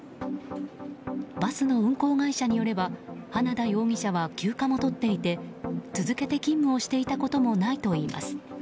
バスの運行会社によれば花田容疑者は休暇もとっていて続けて勤務をしていたこともないといいます。